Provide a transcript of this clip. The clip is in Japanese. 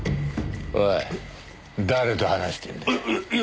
おい誰と話してんだよ？